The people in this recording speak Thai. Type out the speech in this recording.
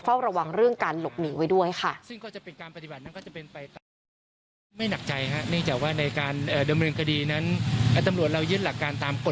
เฝ้าระวังเรื่องการหลบหนีไว้ด้วยค่ะ